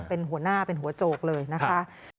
เป็นหัวหน้าเป็นหัวโจกเลยนะคะ